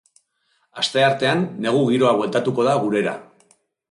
Asteartean negu giroa bueltatuko da gurera.